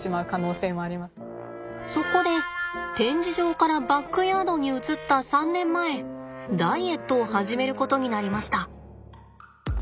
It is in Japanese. そこで展示場からバックヤードに移った３年前ダイエットを始めることになりました。